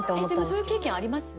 そういう経験あります？